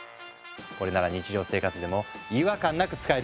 これなら日常生活でも違和感なく使えるよね。